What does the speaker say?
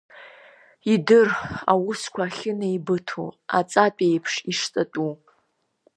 Идыр аусқәа ахьынаибыҭоу, аҵатә еиԥш ишҵатәу.